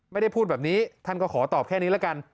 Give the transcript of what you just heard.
ไม่ได้พูดแบบนี้ท่านก็ขอตอบแค่นี้ละกัน